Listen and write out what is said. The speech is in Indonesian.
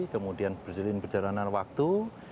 kemudian berjalanan waktu